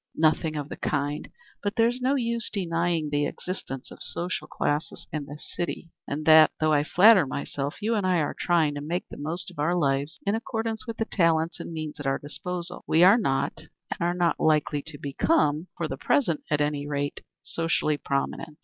"Nothing of the kind. But there's no use denying the existence of social classes in this city, and that, though I flatter myself you and I are trying to make the most of our lives in accordance with the talents and means at our disposal, we are not and are not likely to become, for the present at any rate, socially prominent.